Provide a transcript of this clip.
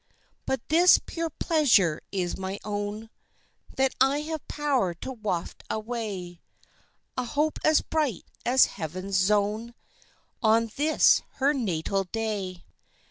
But this pure pleasure is my own, That I have power to waft away A hope as bright as heaven's zone On this her natal day.